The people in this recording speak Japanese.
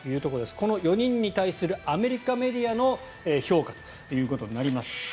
この４人に対するアメリカメディアの評価ということになります。